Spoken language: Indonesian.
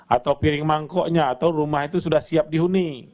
atau piring mangkoknya atau rumah itu sudah siap dihuni